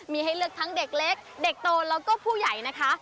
มีให้เลือกทั้งเด็กเล็กเด็กโตแล้วก็ผู้ใหญ่นะคะ